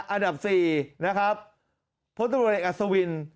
อันดับ๔นะครับพตเอกอัศวิน